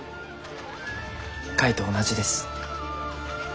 カイと同じです。